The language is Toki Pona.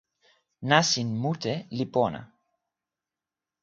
nasin mute li pona.